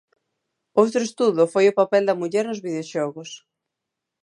Outro estudo foi o papel da muller nos videoxogos.